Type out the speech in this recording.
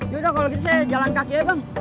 yaudah kalau gitu saya jalan kaki ya bang